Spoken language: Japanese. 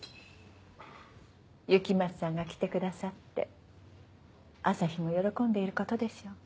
雪松さんが来てくださって朝陽も喜んでいることでしょう。